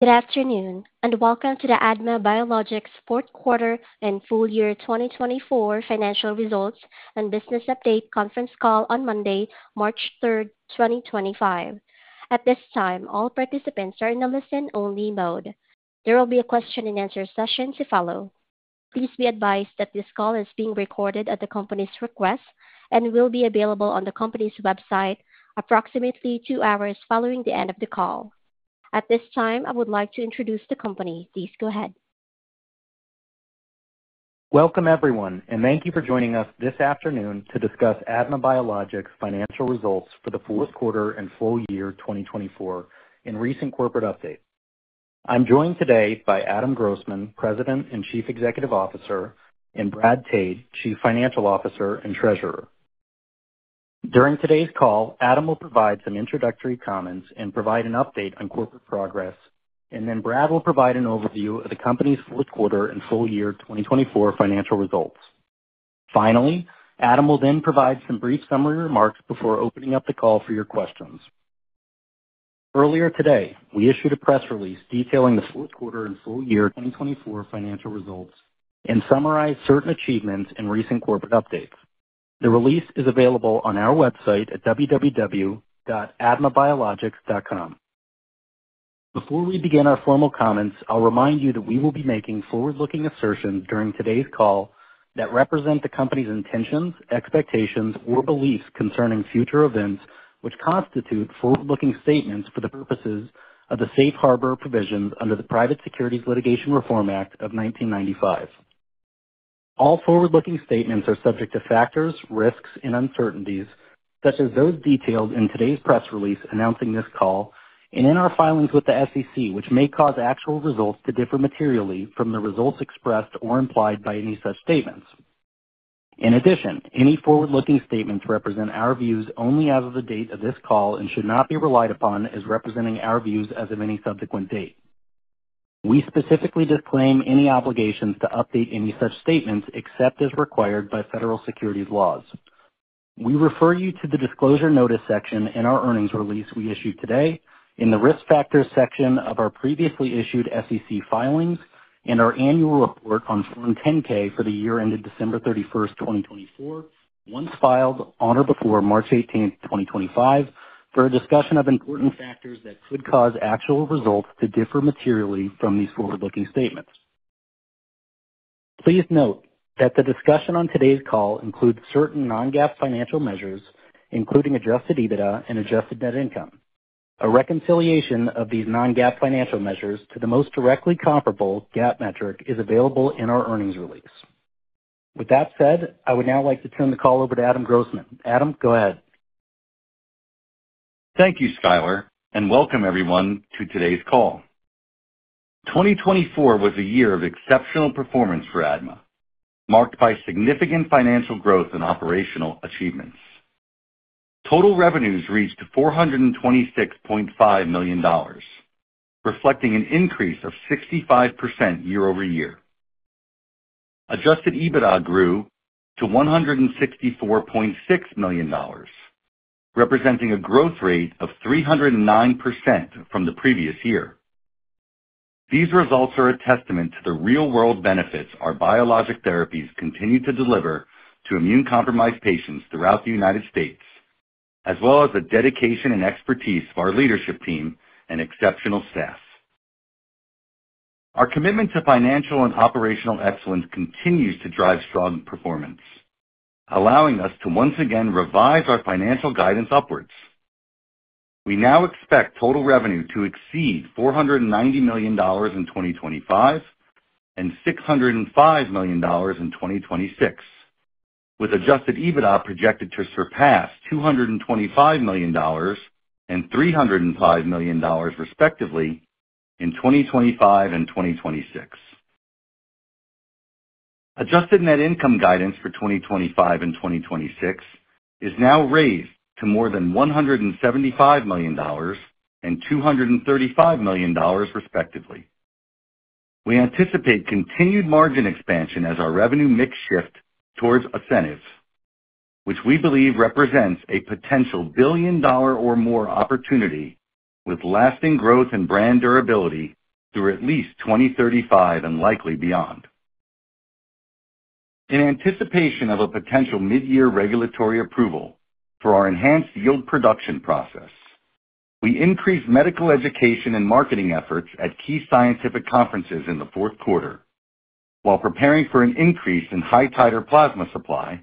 Good afternoon, and welcome to the ADMA Biologics Fourth Quarter and Full Year 2024 Financial Results and Business Update Conference Call on Monday, March 3rd, 2025. At this time, all participants are in a listen-only mode. There will be a question-and-answer session to follow. Please be advised that this call is being recorded at the company's request and will be available on the company's website approximately two hours following the end of the call. At this time, I would like to introduce the company. Please go ahead. Welcome, everyone, and thank you for joining us this afternoon to discuss ADMA Biologics' financial results for the fourth quarter and full year 2024 and recent corporate update. I'm joined today by Adam Grossman, President and Chief Executive Officer, and Brad Tade, Chief Financial Officer and Treasurer. During today's call, Adam will provide some introductory comments and provide an update on corporate progress, and then Brad will provide an overview of the company's fourth quarter and full year 2024 financial results. Finally, Adam will then provide some brief summary remarks before opening up the call for your questions. Earlier today, we issued a press release detailing the fourth quarter and full year 2024 financial results and summarized certain achievements and recent corporate updates. The release is available on our website at www.admabiologics.com. Before we begin our formal comments, I'll remind you that we will be making forward-looking assertions during today's call that represent the company's intentions, expectations, or beliefs concerning future events which constitute forward-looking statements for the purposes of the Safe Harbor Provisions under the Private Securities Litigation Reform Act of 1995. All forward-looking statements are subject to factors, risks, and uncertainties such as those detailed in today's press release announcing this call and in our filings with the SEC, which may cause actual results to differ materially from the results expressed or implied by any such statements. In addition, any forward-looking statements represent our views only as of the date of this call and should not be relied upon as representing our views as of any subsequent date. We specifically disclaim any obligations to update any such statements except as required by federal securities laws. We refer you to the disclosure notice section in our earnings release we issued today, in the risk factors section of our previously issued SEC filings, and our annual report on Form 10-K for the year ended December 31st, 2024, once filed on or before March 18th, 2025, for a discussion of important factors that could cause actual results to differ materially from these forward-looking statements. Please note that the discussion on today's call includes certain non-GAAP financial measures, including Adjusted EBITDA and Adjusted Net Income. A reconciliation of these non-GAAP financial measures to the most directly comparable GAAP metric is available in our earnings release. With that said, I would now like to turn the call over to Adam Grossman. Adam, go ahead. Thank you, Skyler, and welcome everyone to today's call. 2024 was a year of exceptional performance for ADMA, marked by significant financial growth and operational achievements. Total revenues reached $426.5 million, reflecting an increase of 65% year over year. Adjusted EBITDA grew to $164.6 million, representing a growth rate of 309% from the previous year. These results are a testament to the real-world benefits our biologic therapies continue to deliver to immune-compromised patients throughout the United States, as well as the dedication and expertise of our leadership team and exceptional staff. Our commitment to financial and operational excellence continues to drive strong performance, allowing us to once again revise our financial guidance upwards. We now expect total revenue to exceed $490 million in 2025 and $605 million in 2026, with adjusted EBITDA projected to surpass $225 million and $305 million, respectively, in 2025 and 2026. Adjusted net income guidance for 2025 and 2026 is now raised to more than $175 million and $235 million, respectively. We anticipate continued margin expansion as our revenue mix shifts towards Asceniv, which we believe represents a potential billion-dollar-or-more opportunity, with lasting growth and brand durability through at least 2035 and likely beyond. In anticipation of a potential mid-year regulatory approval for our enhanced yield production process, we increased medical education and marketing efforts at key scientific conferences in the fourth quarter, while preparing for an increase in high-titer plasma supply,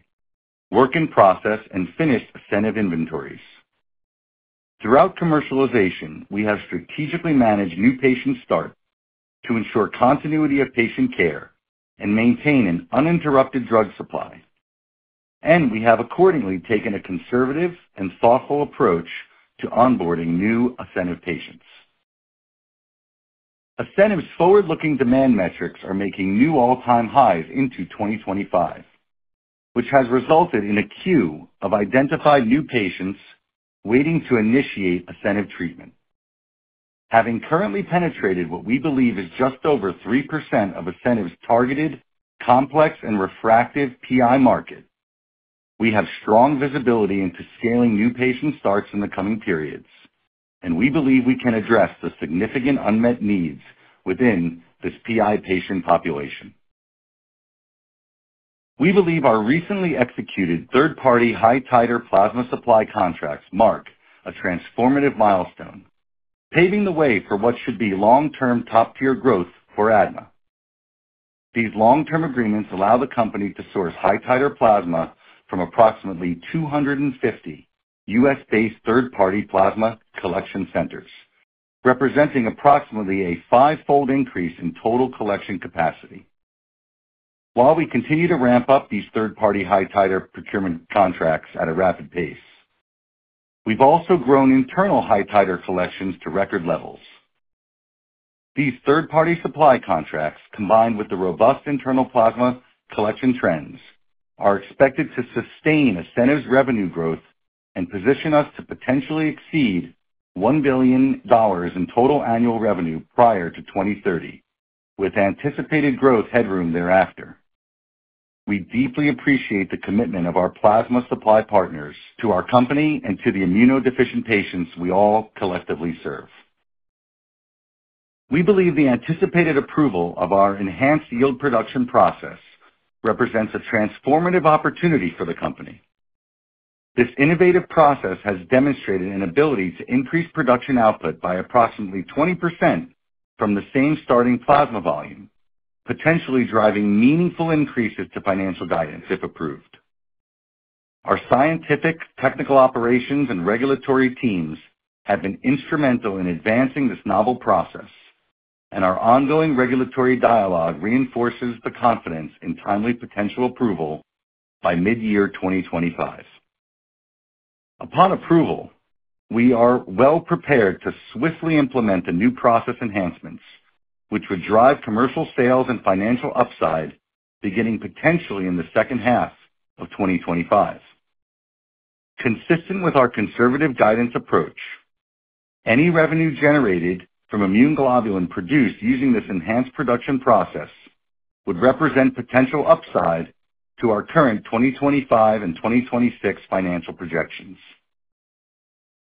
work-in-process, and finished Asceniv inventories. Throughout commercialization, we have strategically managed new patient starts to ensure continuity of patient care and maintain an uninterrupted drug supply, and we have accordingly taken a conservative and thoughtful approach to onboarding new Asceniv patients. Asceniv's forward-looking demand metrics are making new all-time highs into 2025, which has resulted in a queue of identified new patients waiting to initiate Asceniv treatment. Having currently penetrated what we believe is just over 3% of Asceniv's targeted complex and refractive PI market, we have strong visibility into scaling new patient starts in the coming periods, and we believe we can address the significant unmet needs within this PI patient population. We believe our recently executed third-party high-titer plasma supply contracts mark a transformative milestone, paving the way for what should be long-term top-tier growth for ADMA. These long-term agreements allow the company to source high-titer plasma from approximately 250 U.S.-based third-party plasma collection centers, representing approximately a fivefold increase in total collection capacity. While we continue to ramp up these third-party high-titer procurement contracts at a rapid pace, we've also grown internal high-titer collections to record levels. These third-party supply contracts, combined with the robust internal plasma collection trends, are expected to sustain Asceniv's revenue growth and position us to potentially exceed $1 billion in total annual revenue prior to 2030, with anticipated growth headroom thereafter. We deeply appreciate the commitment of our plasma supply partners to our company and to the immunodeficient patients we all collectively serve. We believe the anticipated approval of our enhanced yield production process represents a transformative opportunity for the company. This innovative process has demonstrated an ability to increase production output by approximately 20% from the same starting plasma volume, potentially driving meaningful increases to financial guidance if approved. Our scientific, technical operations, and regulatory teams have been instrumental in advancing this novel process, and our ongoing regulatory dialogue reinforces the confidence in timely potential approval by mid-year 2025. Upon approval, we are well-prepared to swiftly implement the new process enhancements, which would drive commercial sales and financial upside beginning potentially in the second half of 2025. Consistent with our conservative guidance approach, any revenue generated from immune globulin produced using this enhanced production process would represent potential upside to our current 2025 and 2026 financial projections.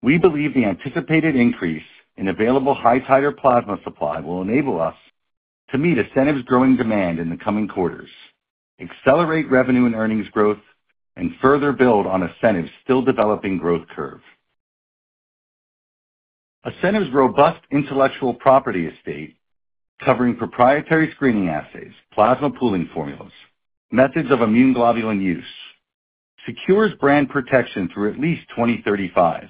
We believe the anticipated increase in available high-titer plasma supply will enable us to meet Asceniv's growing demand in the coming quarters, accelerate revenue and earnings growth, and further build on Asceniv's still-developing growth curve. Asceniv's robust intellectual property estate, covering proprietary screening assays, plasma pooling formulas, and methods of immune globulin use, secures brand protection through at least 2035,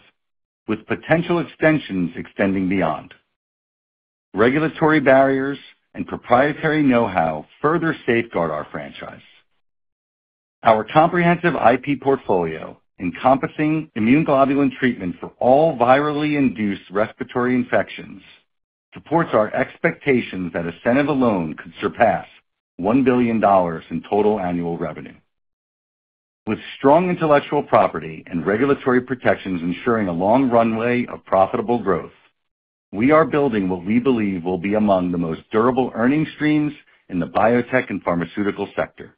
with potential extensions extending beyond. Regulatory barriers and proprietary know-how further safeguard our franchise. Our comprehensive IP portfolio, encompassing immune globulin treatment for all virally induced respiratory infections, supports our expectations that Asceniv alone could surpass $1 billion in total annual revenue. With strong intellectual property and regulatory protections ensuring a long runway of profitable growth, we are building what we believe will be among the most durable earnings streams in the biotech and pharmaceutical sector.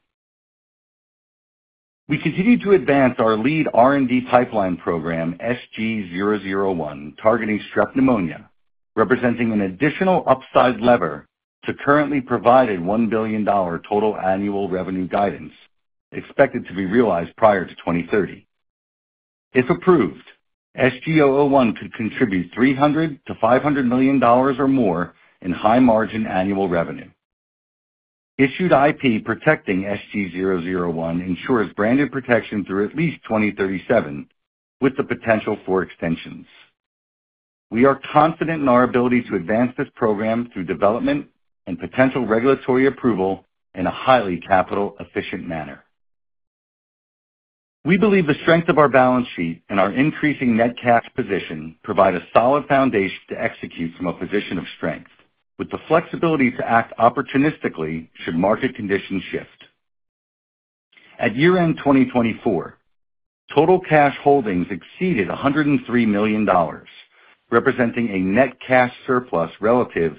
We continue to advance our lead R&D pipeline program, SG-001, targeting strep pneumonia, representing an additional upside lever to currently provided $1 billion total annual revenue guidance expected to be realized prior to 2030. If approved, SG-001 could contribute $300-$500 million or more in high-margin annual revenue. Issued IP protecting SG-001 ensures branded protection through at least 2037, with the potential for extensions. We are confident in our ability to advance this program through development and potential regulatory approval in a highly capital-efficient manner. We believe the strength of our balance sheet and our increasing net cash position provide a solid foundation to execute from a position of strength, with the flexibility to act opportunistically should market conditions shift. At year-end 2024, total cash holdings exceeded $103 million, representing a net cash surplus relative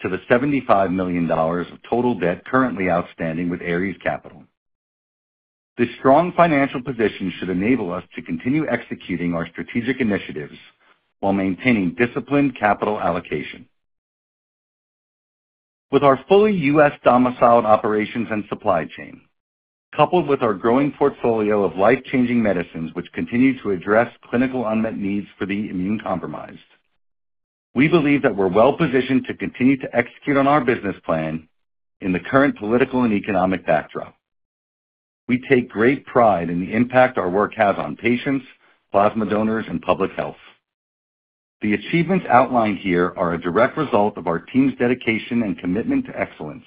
to the $75 million of total debt currently outstanding with Ares Capital. This strong financial position should enable us to continue executing our strategic initiatives while maintaining disciplined capital allocation. With our fully U.S.-domiciled operations and supply chain, coupled with our growing portfolio of life-changing medicines which continue to address clinical unmet needs for the immune compromised, we believe that we're well-positioned to continue to execute on our business plan in the current political and economic backdrop. We take great pride in the impact our work has on patients, plasma donors, and public health. The achievements outlined here are a direct result of our team's dedication and commitment to excellence.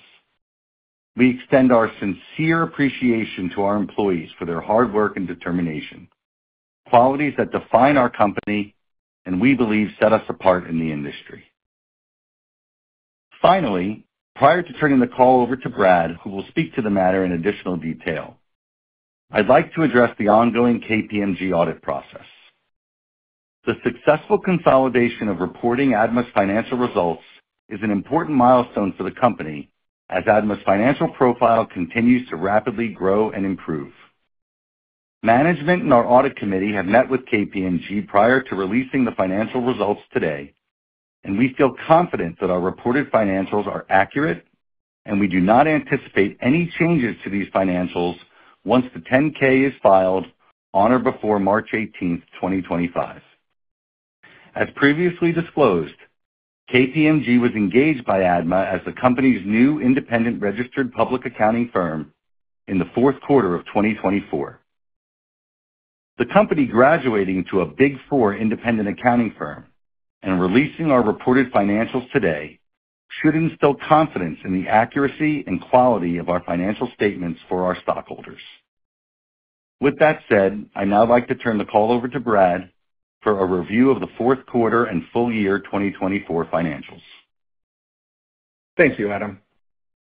We extend our sincere appreciation to our employees for their hard work and determination, qualities that define our company and we believe set us apart in the industry. Finally, prior to turning the call over to Brad, who will speak to the matter in additional detail, I'd like to address the ongoing KPMG audit process. The successful consolidation of reporting ADMA's financial results is an important milestone for the company as ADMA's financial profile continues to rapidly grow and improve. Management and our audit committee have met with KPMG prior to releasing the financial results today, and we feel confident that our reported financials are accurate, and we do not anticipate any changes to these financials once the 10-K is filed on or before March 18th, 2025. As previously disclosed, KPMG was engaged by ADMA as the company's new independent registered public accounting firm in the fourth quarter of 2024. The company graduating to a Big Four independent accounting firm and releasing our reported financials today should instill confidence in the accuracy and quality of our financial statements for our stockholders. With that said, I now like to turn the call over to Brad for a review of the fourth quarter and full year 2024 financials. Thank you, Adam.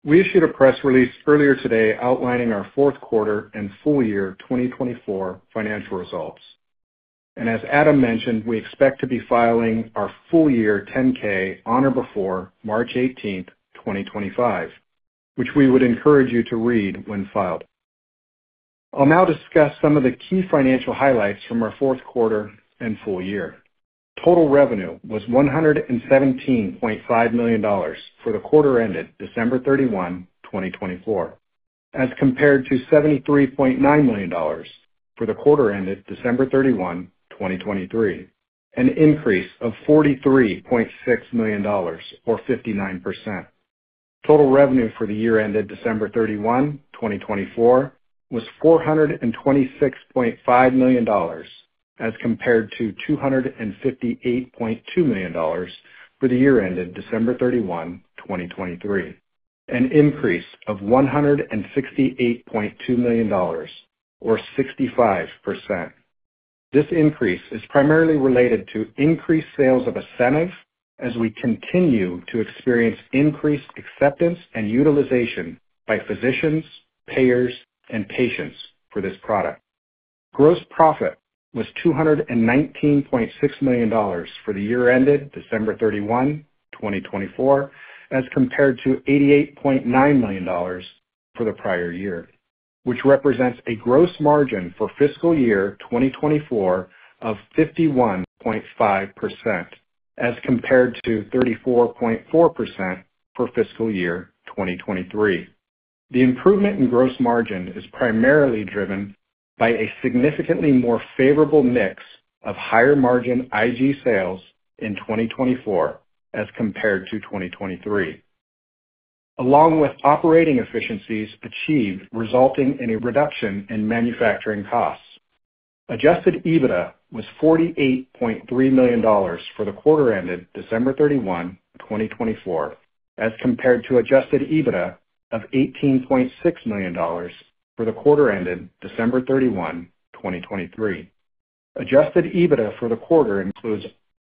We issued a press release earlier today outlining our fourth quarter and full year 2024 financial results. And as Adam mentioned, we expect to be filing our full year 10-K on or before March 18th, 2025, which we would encourage you to read when filed. I'll now discuss some of the key financial highlights from our fourth quarter and full year. Total revenue was $117.5 million for the quarter ended December 31, 2024, as compared to $73.9 million for the quarter ended December 31, 2023, an increase of $43.6 million or 59%. Total revenue for the year ended December 31, 2024, was $426.5 million as compared to $258.2 million for the year ended December 31, 2023, an increase of $168.2 million or 65%. This increase is primarily related to increased sales of Asceniv as we continue to experience increased acceptance and utilization by physicians, payers, and patients for this product. Gross profit was $219.6 million for the year ended December 31, 2024, as compared to $88.9 million for the prior year, which represents a gross margin for fiscal year 2024 of 51.5% as compared to 34.4% for fiscal year 2023. The improvement in gross margin is primarily driven by a significantly more favorable mix of higher margin IG sales in 2024 as compared to 2023, along with operating efficiencies achieved, resulting in a reduction in manufacturing costs. Adjusted EBITDA was $48.3 million for the quarter ended December 31, 2024, as compared to adjusted EBITDA of $18.6 million for the quarter ended December 31, 2023. Adjusted EBITDA for the quarter includes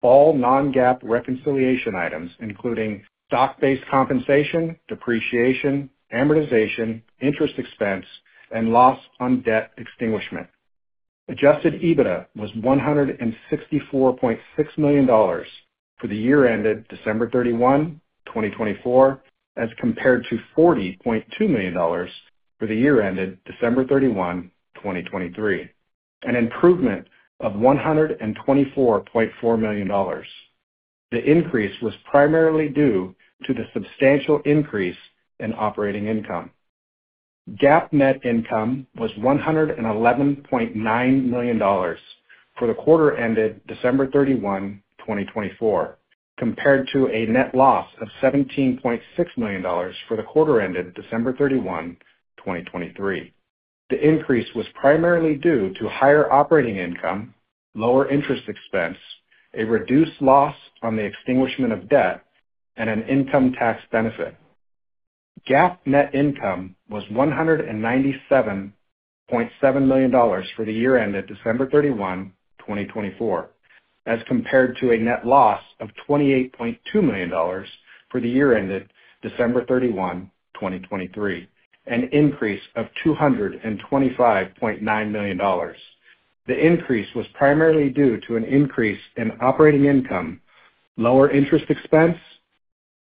all non-GAAP reconciliation items, including stock-based compensation, depreciation, amortization, interest expense, and loss on debt extinguishment. Adjusted EBITDA was $164.6 million for the year ended December 31, 2024, as compared to $40.2 million for the year ended December 31, 2023, an improvement of $124.4 million. The increase was primarily due to the substantial increase in operating income. GAAP net income was $111.9 million for the quarter ended December 31, 2024, compared to a net loss of $17.6 million for the quarter ended December 31, 2023. The increase was primarily due to higher operating income, lower interest expense, a reduced loss on the extinguishment of debt, and an income tax benefit. GAAP net income was $197.7 million for the year ended December 31, 2024, as compared to a net loss of $28.2 million for the year ended December 31, 2023, an increase of $225.9 million. The increase was primarily due to an increase in operating income, lower interest expense,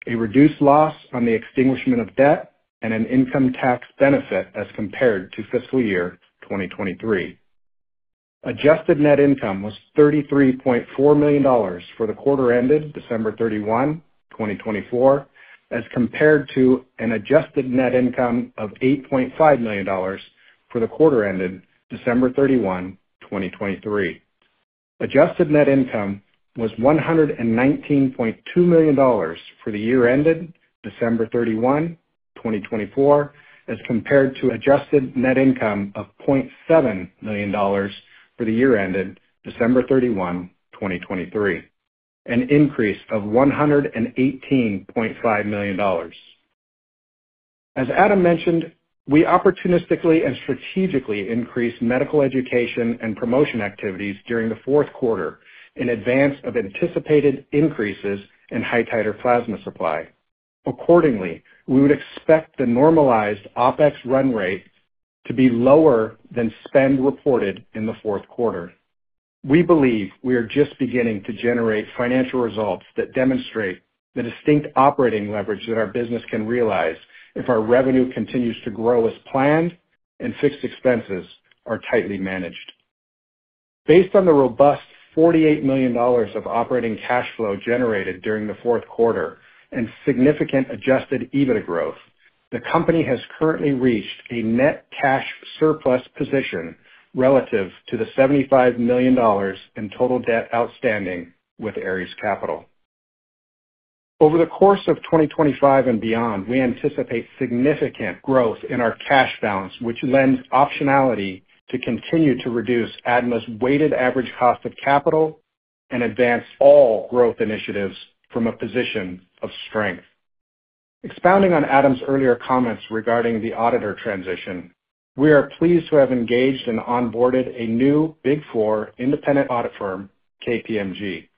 a reduced loss on the extinguishment of debt, and an income tax benefit as compared to fiscal year 2023. Adjusted net income was $33.4 million for the quarter ended December 31, 2024, as compared to an adjusted net income of $8.5 million for the quarter ended December 31, 2023. Adjusted net income was $119.2 million for the year ended December 31, 2024, as compared to adjusted net income of $0.7 million for the year ended December 31, 2023, an increase of $118.5 million. As Adam mentioned, we opportunistically and strategically increased medical education and promotion activities during the fourth quarter in advance of anticipated increases in high-titer plasma supply. Accordingly, we would expect the normalized OPEX run rate to be lower than spend reported in the fourth quarter. We believe we are just beginning to generate financial results that demonstrate the distinct operating leverage that our business can realize if our revenue continues to grow as planned and fixed expenses are tightly managed. Based on the robust $48 million of operating cash flow generated during the fourth quarter and significant Adjusted EBITDA growth, the company has currently reached a net cash surplus position relative to the $75 million in total debt outstanding with Ares Capital. Over the course of 2025 and beyond, we anticipate significant growth in our cash balance, which lends optionality to continue to reduce ADMA's weighted average cost of capital and advance all growth initiatives from a position of strength. Expounding on Adam's earlier comments regarding the auditor transition, we are pleased to have engaged and onboarded a new Big Four independent audit firm, KPMG.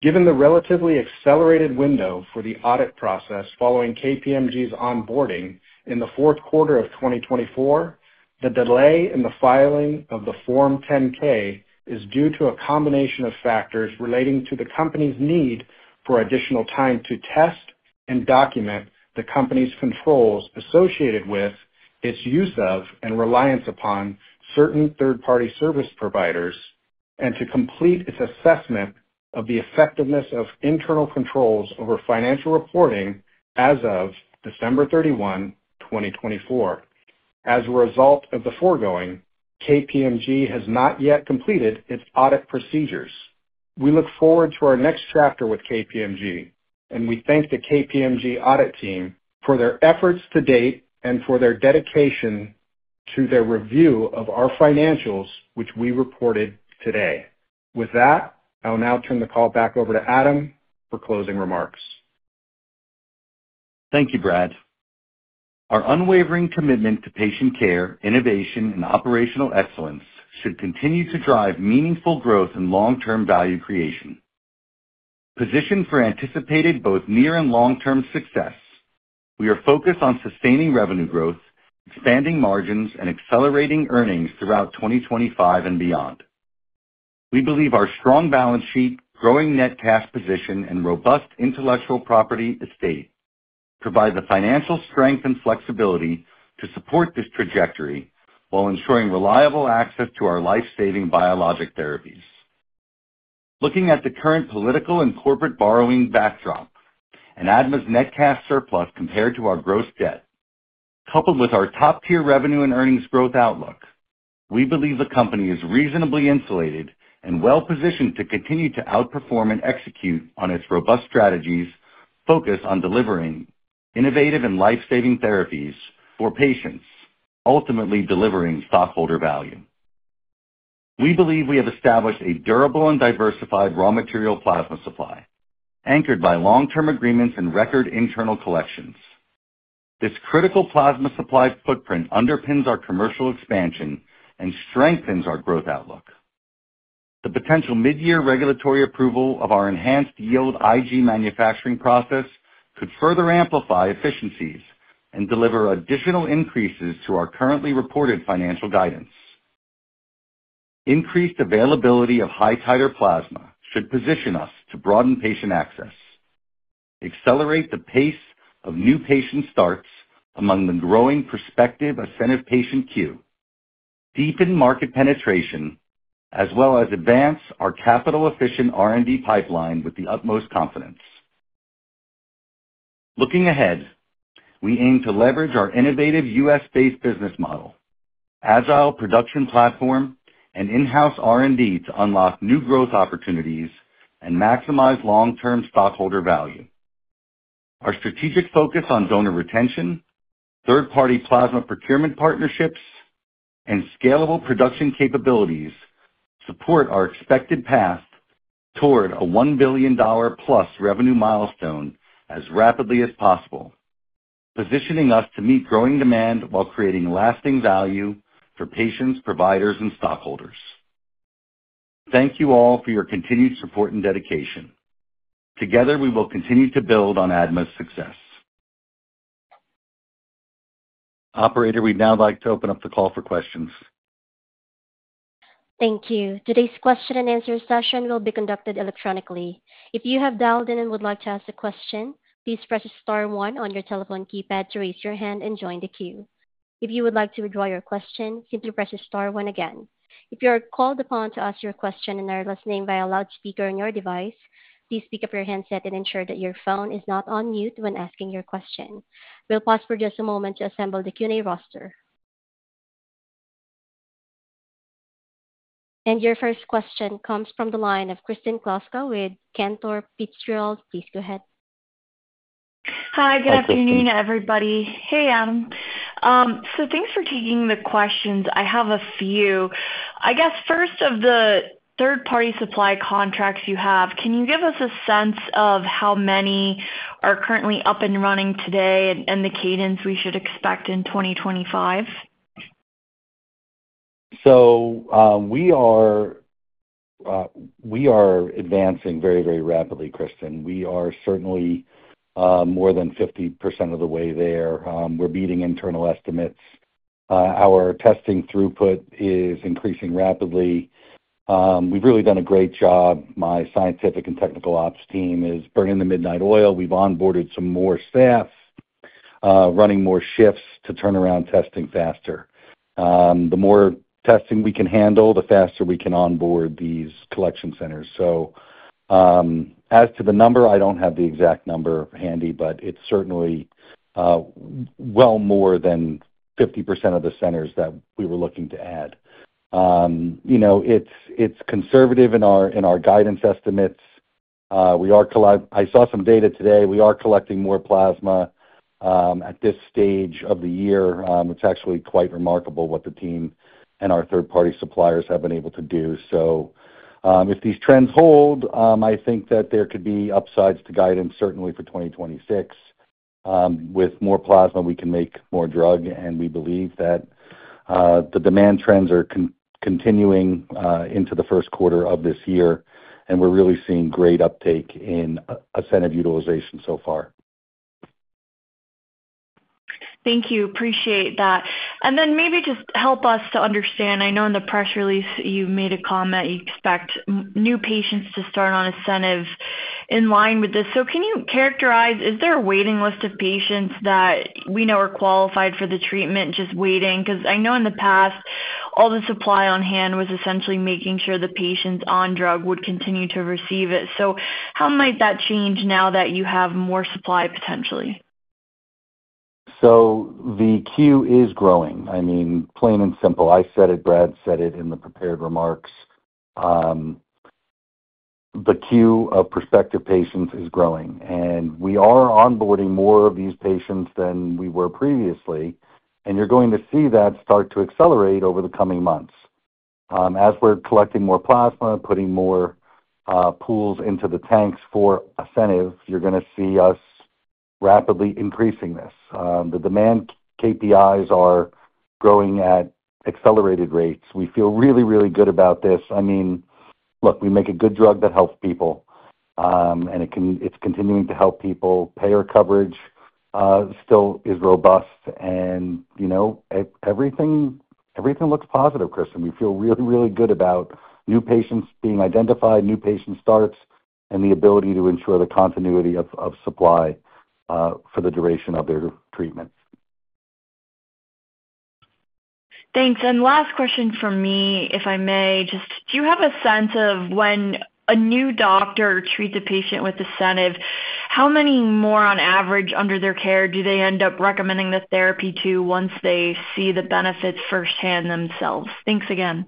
Given the relatively accelerated window for the audit process following KPMG's onboarding in the fourth quarter of 2024, the delay in the filing of the Form 10-K is due to a combination of factors relating to the company's need for additional time to test and document the company's controls associated with its use of and reliance upon certain third-party service providers and to complete its assessment of the effectiveness of internal controls over financial reporting as of December 31, 2024. As a result of the foregoing, KPMG has not yet completed its audit procedures. We look forward to our next chapter with KPMG, and we thank the KPMG audit team for their efforts to date and for their dedication to their review of our financials, which we reported today. With that, I'll now turn the call back over to Adam for closing remarks. Thank you, Brad. Our unwavering commitment to patient care, innovation, and operational excellence should continue to drive meaningful growth and long-term value creation. Positioned for anticipated both near and long-term success, we are focused on sustaining revenue growth, expanding margins, and accelerating earnings throughout 2025 and beyond. We believe our strong balance sheet, growing net cash position, and robust intellectual property estate provide the financial strength and flexibility to support this trajectory while ensuring reliable access to our life-saving biologic therapies. Looking at the current political and corporate borrowing backdrop and ADMA's net cash surplus compared to our gross debt, coupled with our top-tier revenue and earnings growth outlook, we believe the company is reasonably insulated and well-positioned to continue to outperform and execute on its robust strategies focused on delivering innovative and life-saving therapies for patients, ultimately delivering stockholder value. We believe we have established a durable and diversified raw material plasma supply anchored by long-term agreements and record internal collections. This critical plasma supply footprint underpins our commercial expansion and strengthens our growth outlook. The potential mid-year regulatory approval of our enhanced yield IG manufacturing process could further amplify efficiencies and deliver additional increases to our currently reported financial guidance. Increased availability of high-titer plasma should position us to broaden patient access, accelerate the pace of new patient starts among the growing prospective Asceniv patient queue, deepen market penetration, as well as advance our capital-efficient R&D pipeline with the utmost confidence. Looking ahead, we aim to leverage our innovative U.S.-based business model, agile production platform, and in-house R&D to unlock new growth opportunities and maximize long-term stockholder value. Our strategic focus on donor retention, third-party plasma procurement partnerships, and scalable production capabilities support our expected path toward a $1 billion-plus revenue milestone as rapidly as possible, positioning us to meet growing demand while creating lasting value for patients, providers, and stockholders. Thank you all for your continued support and dedication. Together, we will continue to build on ADMA's success. Operator, we'd now like to open up the call for questions. Thank you. Today's question and answer session will be conducted electronically. If you have dialed in and would like to ask a question, please press Star 1 on your telephone keypad to raise your hand and join the queue. If you would like to withdraw your question, simply press Star 1 again. If you are called upon to ask your question and are listening via loudspeaker on your device, please pick up your headset and ensure that your phone is not on mute when asking your question. We'll pause for just a moment to assemble the Q&A roster. And your first question comes from the line of Kristen Kluska with Cantor Fitzgerald. Please go ahead. Hi, good afternoon, everybody. Hey, Adam. So thanks for taking the questions. I have a few. I guess first, of the third-party supply contracts you have, can you give us a sense of how many are currently up and running today and the cadence we should expect in 2025? We are advancing very, very rapidly, Kristen. We are certainly more than 50% of the way there. We're beating internal estimates. Our testing throughput is increasing rapidly. We've really done a great job. My scientific and technical ops team is burning the midnight oil. We've onboarded some more staff, running more shifts to turn around testing faster. The more testing we can handle, the faster we can onboard these collection centers. As to the number, I don't have the exact number handy, but it's certainly well more than 50% of the centers that we were looking to add. It's conservative in our guidance estimates. I saw some data today. We are collecting more plasma at this stage of the year. It's actually quite remarkable what the team and our third-party suppliers have been able to do. So if these trends hold, I think that there could be upsides to guidance, certainly for 2026. With more plasma, we can make more drug, and we believe that the demand trends are continuing into the first quarter of this year, and we're really seeing great uptake in Asceniv utilization so far. Thank you. Appreciate that. And then maybe just help us to understand. I know in the press release, you made a comment you expect new patients to start on Asceniv in line with this. So can you characterize? Is there a waiting list of patients that we know are qualified for the treatment just waiting? Because I know in the past, all the supply on hand was essentially making sure the patients on drug would continue to receive it. So how might that change now that you have more supply potentially? The queue is growing. I mean, plain and simple. I said it, Brad said it in the prepared remarks. The queue of prospective patients is growing, and we are onboarding more of these patients than we were previously. You're going to see that start to accelerate over the coming months. As we're collecting more plasma, putting more pools into the tanks for Asceniv, you're going to see us rapidly increasing this. The demand KPIs are growing at accelerated rates. We feel really, really good about this. I mean, look, we make a good drug that helps people, and it's continuing to help people. Payer coverage still is robust, and everything looks positive, Kristen. We feel really, really good about new patients being identified, new patient starts, and the ability to ensure the continuity of supply for the duration of their treatment. Thanks. And last question for me, if I may, just do you have a sense of when a new doctor treats a patient with Asceniv, how many more on average under their care do they end up recommending the therapy to once they see the benefits firsthand themselves? Thanks again.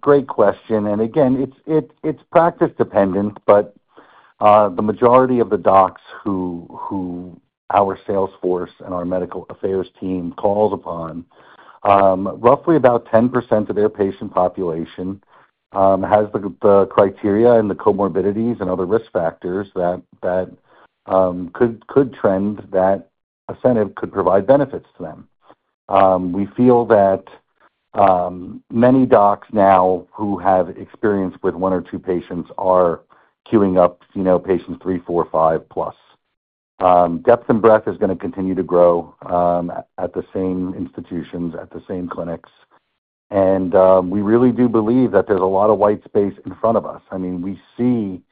Great question. And again, it's practice-dependent, but the majority of the docs who our salesforce and our medical affairs team calls upon, roughly about 10% of their patient population has the criteria and the comorbidities and other risk factors that could trend that Asceniv could provide benefits to them. We feel that many docs now who have experience with one or two patients are queuing up patients three, four, five-plus. Depth and breadth is going to continue to grow at the same institutions, at the same clinics. And we really do believe that there's a lot of white space in front of us. I mean, we see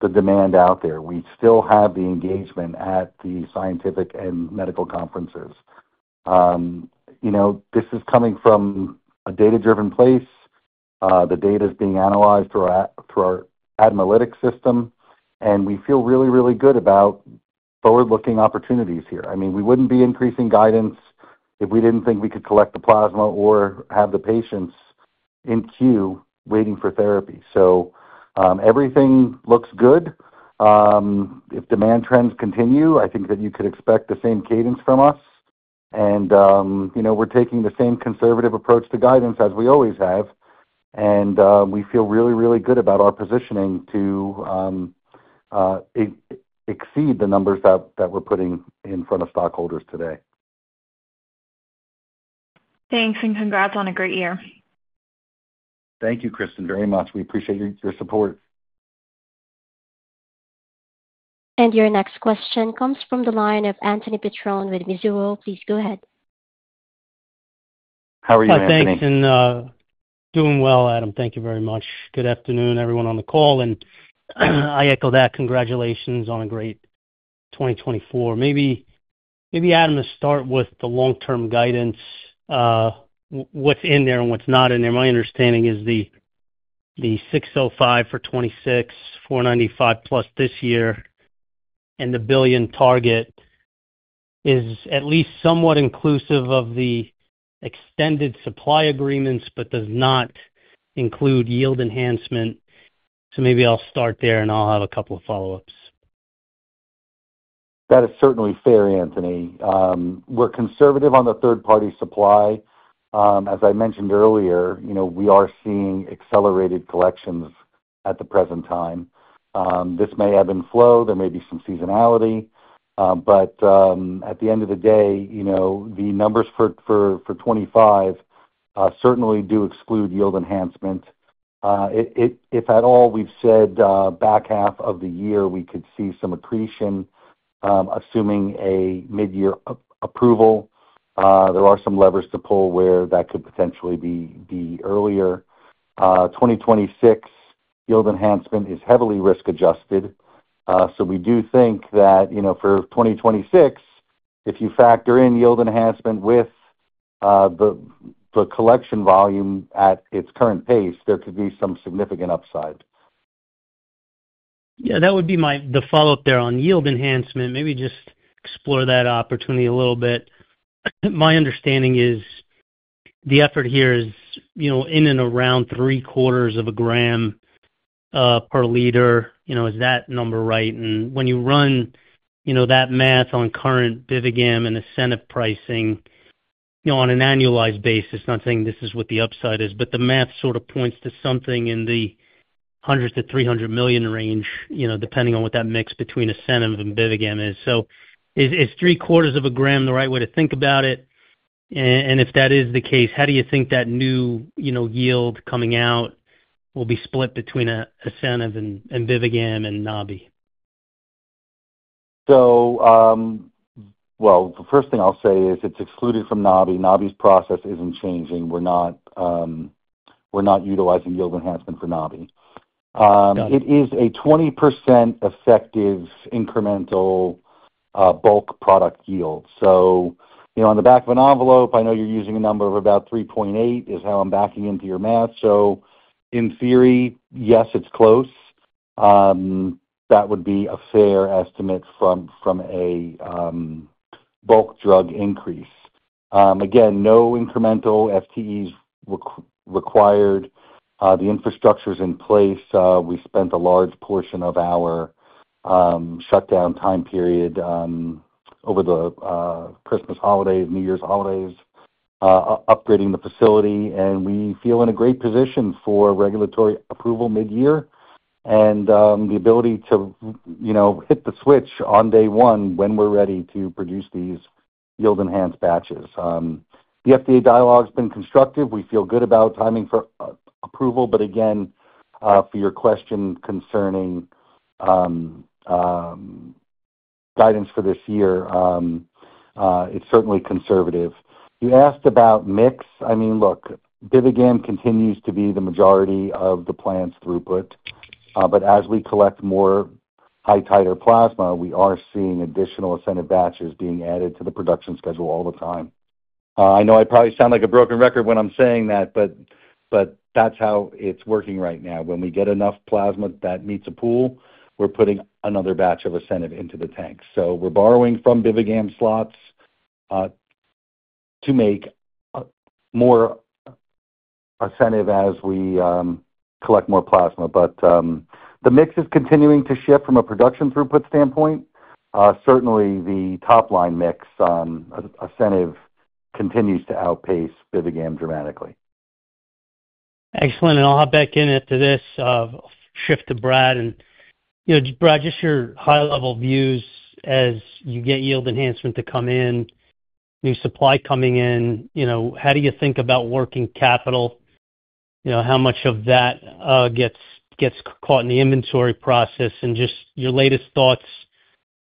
the demand out there. We still have the engagement at the scientific and medical conferences. This is coming from a data-driven place. The data is being analyzed through our ADMAlytics system, and we feel really, really good about forward-looking opportunities here. I mean, we wouldn't be increasing guidance if we didn't think we could collect the plasma or have the patients in queue waiting for therapy. So everything looks good. If demand trends continue, I think that you could expect the same cadence from us. And we're taking the same conservative approach to guidance as we always have. And we feel really, really good about our positioning to exceed the numbers that we're putting in front of stockholders today. Thanks, and congrats on a great year. Thank you, Kristen, very much. We appreciate your support. And your next question comes from the line of Anthony Petrone with Mizuho. Please go ahead. How are you, Anthony? Hi, thanks. I'm doing well, Adam. Thank you very much. Good afternoon, everyone on the call. I echo that. Congratulations on a great 2024. Maybe, Adam, to start with the long-term guidance, what's in there and what's not in there. My understanding is the $605 million for 2026, $495 million-plus this year, and the $1 billion target is at least somewhat inclusive of the extended supply agreements, but does not include yield enhancement. So maybe I'll start there, and I'll have a couple of follow-ups. That is certainly fair, Anthony. We're conservative on the third-party supply. As I mentioned earlier, we are seeing accelerated collections at the present time. This may ebb and flow. There may be some seasonality. But at the end of the day, the numbers for 2025 certainly do exclude yield enhancement. If at all, we've said back half of the year, we could see some accretion, assuming a mid-year approval. There are some levers to pull where that could potentially be earlier. 2026 yield enhancement is heavily risk-adjusted. So we do think that for 2026, if you factor in yield enhancement with the collection volume at its current pace, there could be some significant upside. Yeah, that would be my follow-up there on yield enhancement. Maybe just explore that opportunity a little bit. My understanding is the effort here is in and around three-quarters of a gram per liter. Is that number right? And when you run that math on current Bivigam and Asceniv pricing on an annualized basis, not saying this is what the upside is, but the math sort of points to something in the $100 million-$300 million range, depending on what that mix between Asceniv and Bivigam is. So is three-quarters of a gram the right way to think about it? And if that is the case, how do you think that new yield coming out will be split between Asceniv and Bivigam and NABI? The first thing I'll say is it's excluded from NABI. NABI's process isn't changing. We're not utilizing yield enhancement for NABI. It is a 20% effective incremental bulk product yield. On the back of an envelope, I know you're using a number of about 3.8 is how I'm backing into your math. In theory, yes, it's close. That would be a fair estimate from a bulk drug increase. Again, no incremental FTEs required. The infrastructure is in place. We spent a large portion of our shutdown time period over the Christmas holidays, New Year's holidays, upgrading the facility. We feel in a great position for regulatory approval mid-year and the ability to hit the switch on day one when we're ready to produce these yield-enhanced batches. The FDA dialogue has been constructive. We feel good about timing for approval. But again, for your question concerning guidance for this year, it's certainly conservative. You asked about mix. I mean, look, Bivigam continues to be the majority of the plant's throughput. But as we collect more high-titer plasma, we are seeing additional Asceniv batches being added to the production schedule all the time. I know I probably sound like a broken record when I'm saying that, but that's how it's working right now. When we get enough plasma that meets a pool, we're putting another batch of Asceniv into the tank. So we're borrowing from Bivigam slots to make more Asceniv as we collect more plasma. But the mix is continuing to shift from a production throughput standpoint. Certainly, the top-line mix Asceniv continues to outpace Bivigam dramatically. Excellent. And I'll hop back in after this shift to Brad. And Brad, just your high-level views as you get yield enhancement to come in, new supply coming in, how do you think about working capital? How much of that gets caught in the inventory process? And just your latest thoughts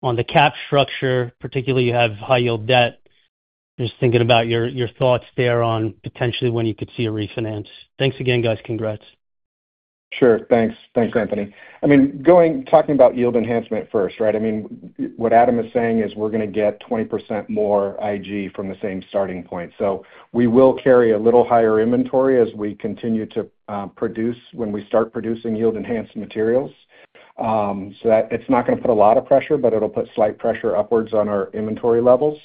on the cap structure, particularly you have high-yield debt. Just thinking about your thoughts there on potentially when you could see a refinance. Thanks again, guys. Congrats. Sure. Thanks. Thanks, Anthony. I mean, talking about yield enhancement first, right? I mean, what Adam is saying is we're going to get 20% more IG from the same starting point. So we will carry a little higher inventory as we continue to produce when we start producing yield-enhanced materials. So it's not going to put a lot of pressure, but it'll put slight pressure upwards on our inventory levels.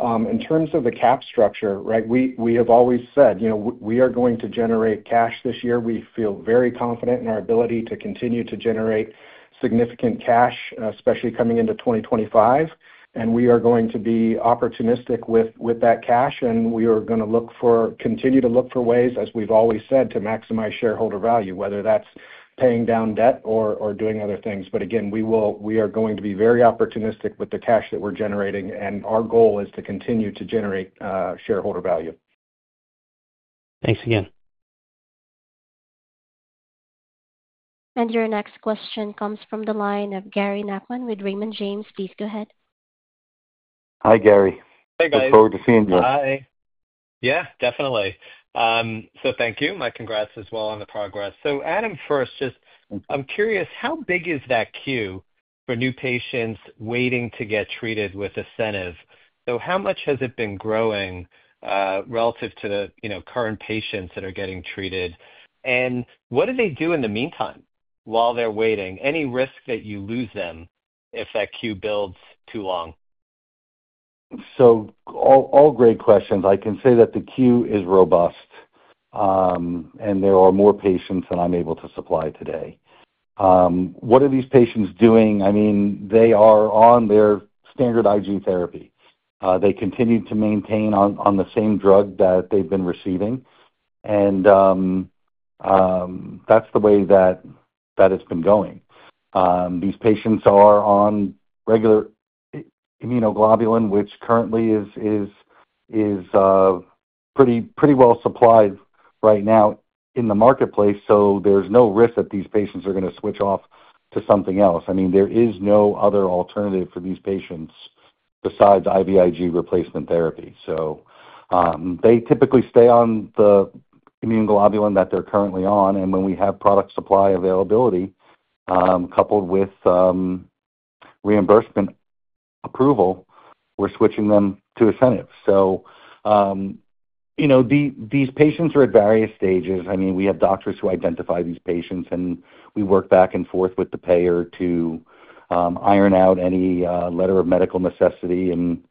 In terms of the cap structure, right, we have always said we are going to generate cash this year. We feel very confident in our ability to continue to generate significant cash, especially coming into 2025. And we are going to be opportunistic with that cash. And we are going to continue to look for ways, as we've always said, to maximize shareholder value, whether that's paying down debt or doing other things. But again, we are going to be very opportunistic with the cash that we're generating. And our goal is to continue to generate shareholder value. Thanks again. Your next question comes from the line of Gary Nachman with Raymond James. Please go ahead. Hi, Gary. Hey, guys. Looking forward to seeing you. Hi. Yeah, definitely. So thank you. My congrats as well on the progress. So Adam, first, just I'm curious, how big is that queue for new patients waiting to get treated with Asceniv? So how much has it been growing relative to the current patients that are getting treated? And what do they do in the meantime while they're waiting? Any risk that you lose them if that queue builds too long? So all great questions. I can say that the queue is robust, and there are more patients than I'm able to supply today. What are these patients doing? I mean, they are on their standard IG therapy. They continue to maintain on the same drug that they've been receiving. And that's the way that it's been going. These patients are on regular immunoglobulin, which currently is pretty well supplied right now in the marketplace. So there's no risk that these patients are going to switch off to something else. I mean, there is no other alternative for these patients besides IVIG replacement therapy. So they typically stay on the immunoglobulin that they're currently on. And when we have product supply availability coupled with reimbursement approval, we're switching them to Asceniv. So these patients are at various stages. I mean, we have doctors who identify these patients, and we work back and forth with the payer to iron out any letter of medical necessity and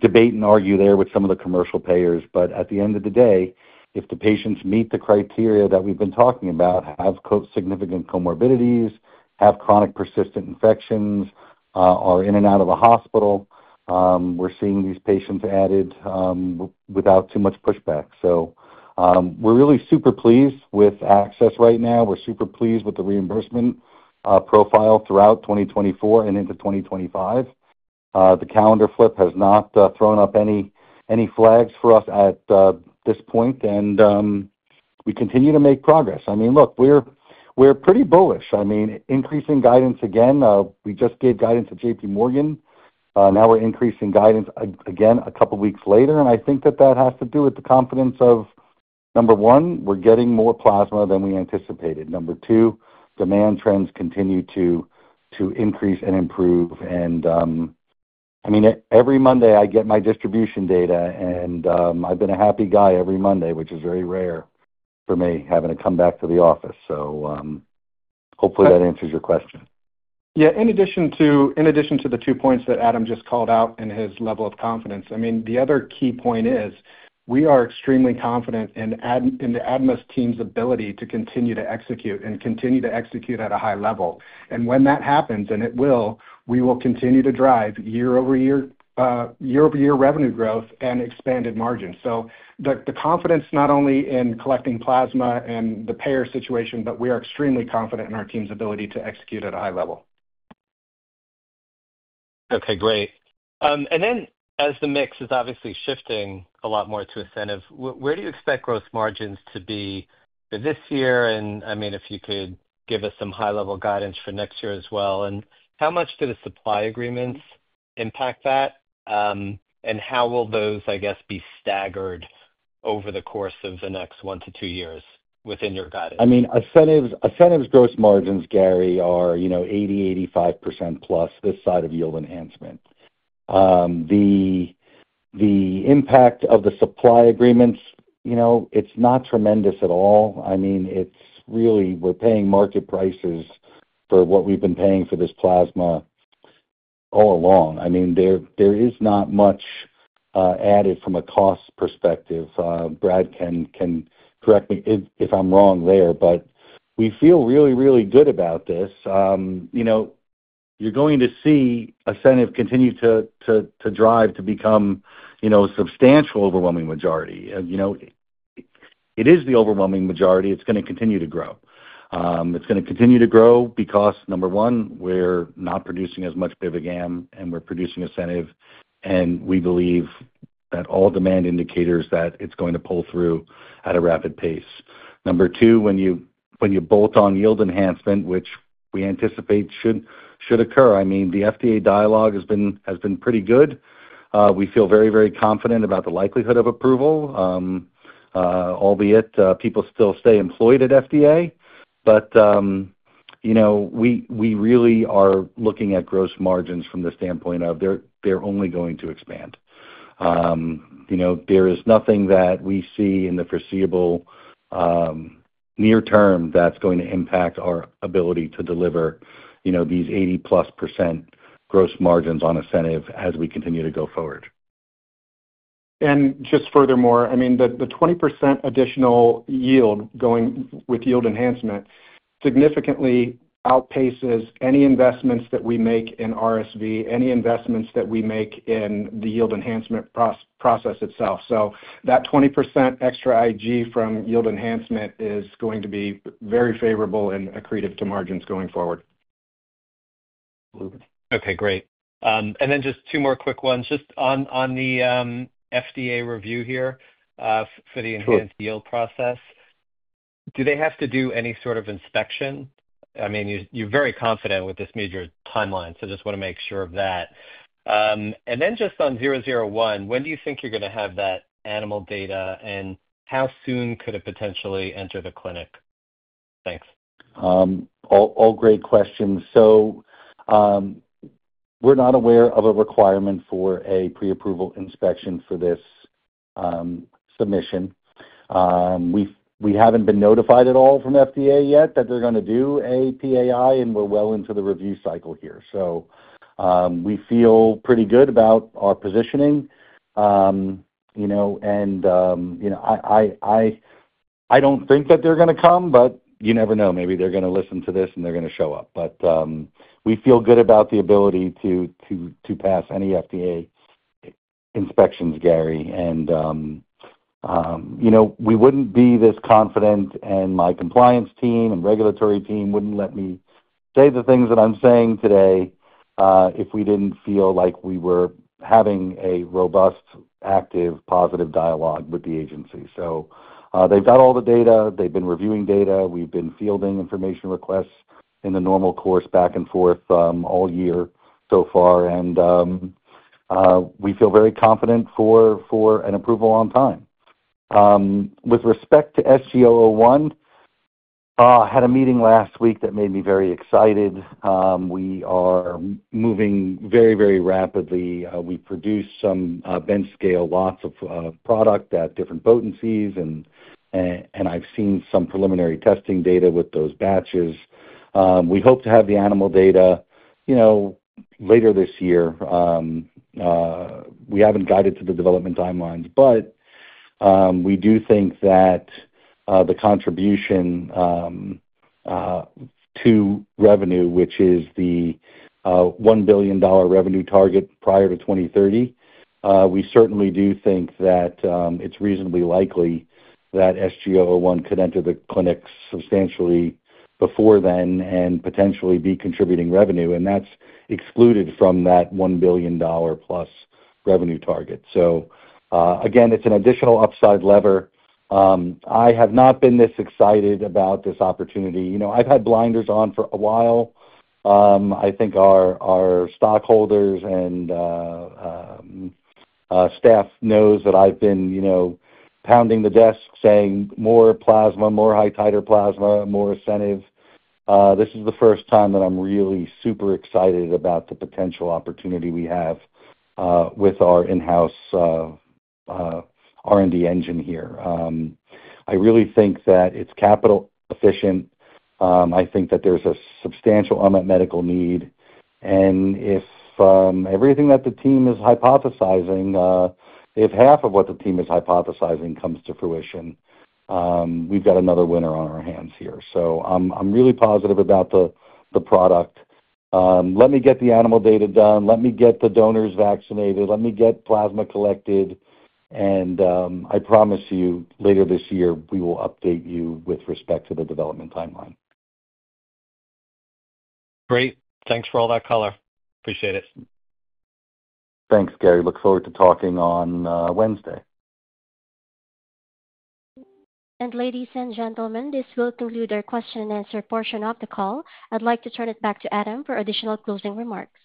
debate and argue there with some of the commercial payers. But at the end of the day, if the patients meet the criteria that we've been talking about, have significant comorbidities, have chronic persistent infections, are in and out of the hospital, we're seeing these patients added without too much pushback. So we're really super pleased with access right now. We're super pleased with the reimbursement profile throughout 2024 and into 2025. The calendar flip has not thrown up any flags for us at this point. And we continue to make progress. I mean, look, we're pretty bullish. I mean, increasing guidance again. We just gave guidance to J.P. Morgan. Now we're increasing guidance again a couple of weeks later. And I think that that has to do with the confidence of, number one, we're getting more plasma than we anticipated. Number two, demand trends continue to increase and improve. And I mean, every Monday, I get my distribution data. And I've been a happy guy every Monday, which is very rare for me having to come back to the office. So hopefully, that answers your question. Yeah. In addition to the two points that Adam just called out and his level of confidence, I mean, the other key point is we are extremely confident in the ADMA's team's ability to continue to execute and continue to execute at a high level, and when that happens, and it will, we will continue to drive year-over-year revenue growth and expanded margins, so the confidence not only in collecting plasma and the payer situation, but we are extremely confident in our team's ability to execute at a high level. Okay. Great. And then as the mix is obviously shifting a lot more to Asceniv, where do you expect gross margins to be this year? And I mean, if you could give us some high-level guidance for next year as well. And how much do the supply agreements impact that? And how will those, I guess, be staggered over the course of the next one to two years within your guidance? I mean, Asceniv's gross margins, Gary, are 80%-85% plus this side of yield enhancement. The impact of the supply agreements, it's not tremendous at all. I mean, it's really we're paying market prices for what we've been paying for this plasma all along. I mean, there is not much added from a cost perspective. Brad can correct me if I'm wrong there, but we feel really, really good about this. You're going to see Asceniv continue to drive to become a substantial overwhelming majority. It is the overwhelming majority. It's going to continue to grow. It's going to continue to grow because, number one, we're not producing as much Bivigam, and we're producing Asceniv, and we believe that all demand indicators that it's going to pull through at a rapid pace. Number two, when you bolt on yield enhancement, which we anticipate should occur, I mean, the FDA dialogue has been pretty good. We feel very, very confident about the likelihood of approval, albeit people still stay employed at FDA. But we really are looking at gross margins from the standpoint of they're only going to expand. There is nothing that we see in the foreseeable near term that's going to impact our ability to deliver these 80-plus% gross margins on Asceniv as we continue to go forward. And just furthermore, I mean, the 20% additional yield with yield enhancement significantly outpaces any investments that we make in RSV, any investments that we make in the yield enhancement process itself. So that 20% extra IG from yield enhancement is going to be very favorable and accretive to margins going forward. Absolutely. Okay. Great. And then just two more quick ones. Just on the FDA review here for the enhanced yield process, do they have to do any sort of inspection? I mean, you're very confident with this major timeline, so I just want to make sure of that. And then just on 001, when do you think you're going to have that animal data? And how soon could it potentially enter the clinic? Thanks. All great questions. So we're not aware of a requirement for a pre-approval inspection for this submission. We haven't been notified at all from FDA yet that they're going to do a PAI, and we're well into the review cycle here. So we feel pretty good about our positioning. And I don't think that they're going to come, but you never know. Maybe they're going to listen to this, and they're going to show up. But we feel good about the ability to pass any FDA inspections, Gary. And we wouldn't be this confident, and my compliance team and regulatory team wouldn't let me say the things that I'm saying today if we didn't feel like we were having a robust, active, positive dialogue with the agency. So they've got all the data. They've been reviewing data. We've been fielding information requests in the normal course back and forth all year so far, and we feel very confident for an approval on time. With respect to SG-001, I had a meeting last week that made me very excited. We are moving very, very rapidly. We produced some bench-scale lots of product at different potencies, and I've seen some preliminary testing data with those batches. We hope to have the animal data later this year. We haven't guided to the development timelines, but we do think that the contribution to revenue, which is the $1 billion revenue target prior to 2030, we certainly do think that it's reasonably likely that SG-001 could enter the clinic substantially before then and potentially be contributing revenue, and that's excluded from that $1 billion-plus revenue target, so again, it's an additional upside lever. I have not been this excited about this opportunity. I've had blinders on for a while. I think our stockholders and staff knows that I've been pounding the desk saying, "More plasma, more high-titer plasma, more Asceniv." This is the first time that I'm really super excited about the potential opportunity we have with our in-house R&D engine here. I really think that it's capital-efficient. I think that there's a substantial unmet medical need. And if everything that the team is hypothesizing, if half of what the team is hypothesizing comes to fruition, we've got another winner on our hands here. So I'm really positive about the product. Let me get the animal data done. Let me get the donors vaccinated. Let me get plasma collected. And I promise you, later this year, we will update you with respect to the development timeline. Great. Thanks for all that color. Appreciate it. Thanks, Gary. Look forward to talking on Wednesday. Ladies and gentlemen, this will conclude our question-and-answer portion of the call. I'd like to turn it back to Adam for additional closing remarks.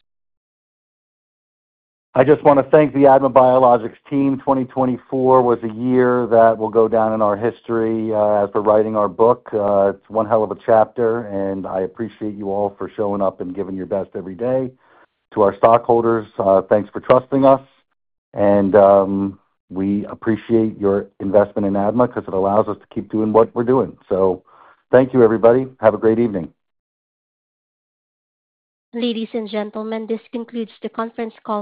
I just want to thank the ADMA Biologics team. 2024 was a year that will go down in our history as we're writing our book. It's one hell of a chapter, and I appreciate you all for showing up and giving your best every day to our stockholders. Thanks for trusting us, and we appreciate your investment in ADMA because it allows us to keep doing what we're doing, so thank you, everybody. Have a great evening. Ladies and gentlemen, this concludes the conference call.